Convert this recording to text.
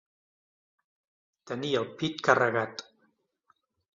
Tenir el pit carregat.